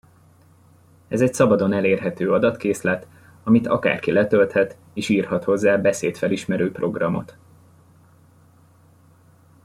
Ez egy szabadon elérhető adatkészlet, amit akárki letölthet, és írhat hozzá beszédfelismerő programot.